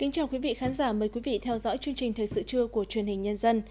chào mừng quý vị đến với bộ phim thời sự trưa của truyền hình nhân dân